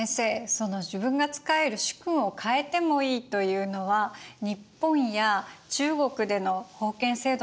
その自分が仕える主君を変えてもいいというのは日本や中国での封建制度とは全然違うんですね。